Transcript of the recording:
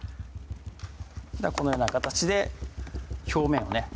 このような形で表面をね